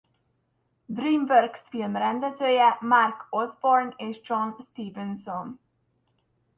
DreamWorks-film rendezője Mark Osborne és John Stevenson.